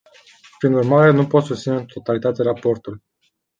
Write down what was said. Prin urmare, nu pot susține în totalitate raportul.